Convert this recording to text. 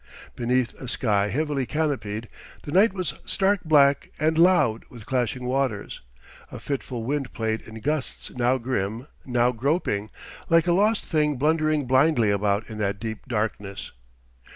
Beneath a sky heavily canopied, the night was stark black and loud with clashing waters. A fitful wind played in gusts now grim, now groping, like a lost thing blundering blindly about in that deep darkness.